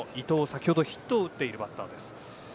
先ほどヒットを打っているバッターです。